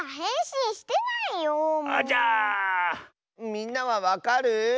みんなはわかる？